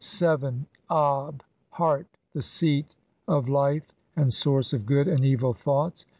7. O ab Heart. The seat of life and source of good and evil thoughts.